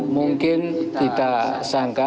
mungkin tidak sangka